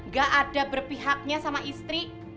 gak ada berpihaknya sama istri